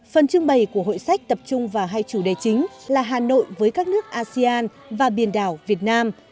phần trưng bày của hội sách tập trung vào hai chủ đề chính là hà nội với các nước asean và biển đảo việt nam